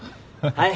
はい。